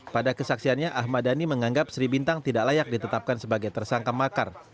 pada kesaksiannya ahmad dhani menganggap sri bintang tidak layak ditetapkan sebagai tersangka makar